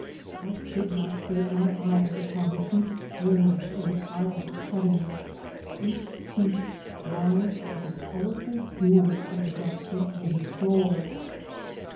I could not sate my eyes upon the heaped brilliance of the piles of cuttings, each heap lying like a colourful jewel on the dusty wooden floor.